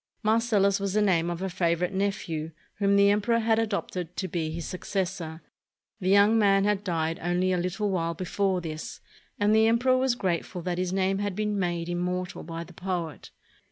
Marcellus was the name of a favorite nephew whom the emperor had adopted to be his suc cessor. The young man had died only a Uttle while be fore this, and the emperor was grateful that his name had been made immortal by the poet.